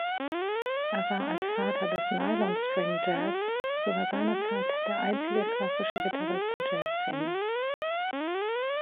Er war als „Vater des Nylonstring-Jazz“ sogar seinerzeit der einzige klassische Gitarrist der Jazzszene.